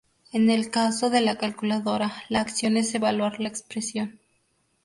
En el caso de la calculadora, la acción es evaluar la expresión.